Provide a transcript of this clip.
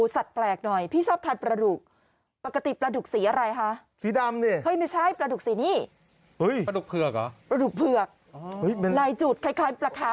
สาธุนะฮะ